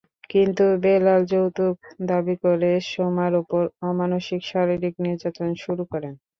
কিন্তু বেলাল যৌতুক দাবি করে সোমার ওপর অমানুষিক শারীরিক নির্যাতন শুরু করেন।